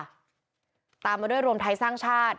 กรุงเทพฯมหานครทำไปแล้วนะครับ